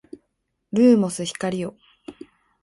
ルーモス光よ